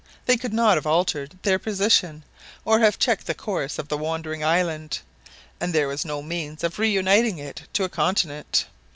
They could not have altered their position, or have checked the course of the wandering island, and there was no means of reuniting it to a continent.